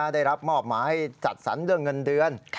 ได้รับมอบมาให้จัดสรรเงินเดือน